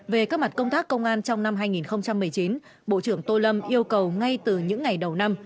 về các mặt công tác công an trong năm hai nghìn một mươi chín bộ trưởng tô lâm yêu cầu ngay từ những ngày đầu năm